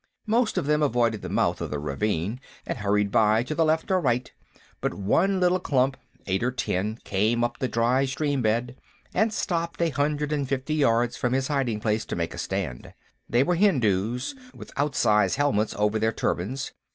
Most of them avoided the mouth of the ravine and hurried by to the left or right, but one little clump, eight or ten, came up the dry stream bed, and stopped a hundred and fifty yards from his hiding place to make a stand. They were Hindus, with outsize helmets over their turbans.